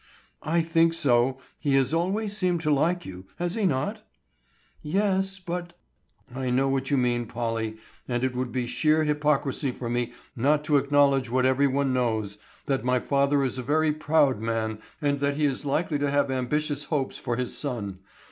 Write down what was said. "I think so; he has always seemed to like you, has he not?" "Yes, but——" "I know what you mean, Polly; and it would be sheer hypocrisy for me not to acknowledge what every one knows, that my father is a very proud man and that he is likely to have ambitious hopes for his son.